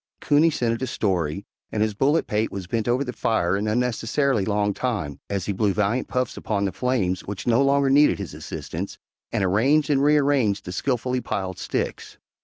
Coonie scented a story, and his bullet pate was bent over the fire an unnecessarily long time, as he blew valiant puffs upon the flames which no longer needed his assistance, and arranged and rearranged his skilfully piled sticks.